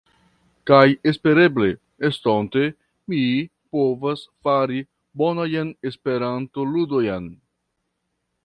Kaj espereble estonte mi povas fari bonajn Esperantoludojn.